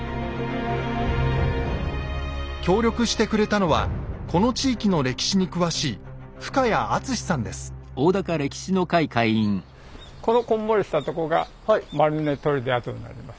協力してくれたのはこの地域の歴史に詳しいこのこんもりしたとこが丸根砦跡になります。